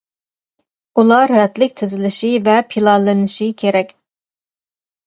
ئۇلار رەتلىك تىزىلىشى ۋە پىلانلىنىشى كېرەك.